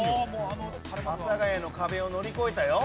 阿佐ヶ谷の壁を乗り越えたよ。